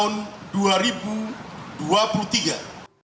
terkait penyelidikan terhadap pemerintah